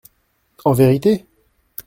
En vérité ?